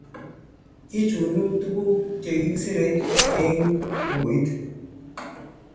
Kichunu tuguk che kikiser eng' bukuit